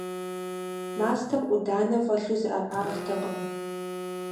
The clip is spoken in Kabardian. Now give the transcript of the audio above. Мастэм Ӏуданэ фӀэлъу зэӀэпахтэкъым.